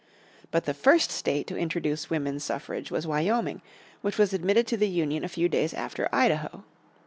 But the first state to introduce women's suffrage was Wyoming, which was admitted to the Union a few days after Idaho.